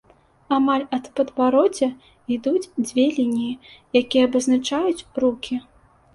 Амаль ад падбароддзя ідуць дзве лініі, якія абазначаюць рукі.